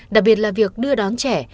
đặc biệt là việc đưa đón trẻ